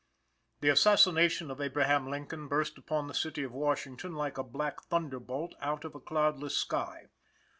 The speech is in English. The assassination of Abraham Lincoln burst upon the City of Washington like a black thunder bolt out of a cloudless sky.